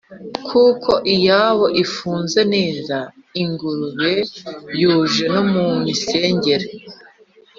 Kuko iyabo ifunze neza; Ingurube yuje no mu miserege,